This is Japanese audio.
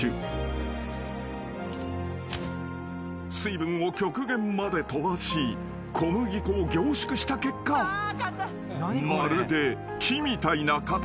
［水分を極限まで飛ばし小麦粉を凝縮した結果まるで］